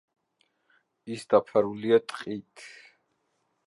ის დაფარულია ტყით.